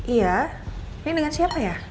iya ini dengan siapa ya